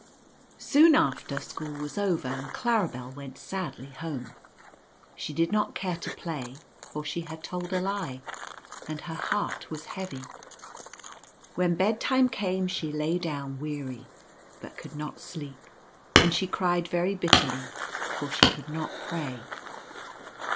Soon after school was over, and Claribel went sadly home. She did not care to play, for she had told a lie, and her heart was heavy. When bed time came she Jay down weary, but could not sleep ; and she cried very bitterly, for she could not pray.